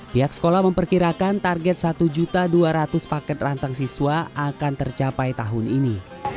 pihak sekolah memperkirakan target satu dua ratus paket rantang siswa akan tercapai tahun ini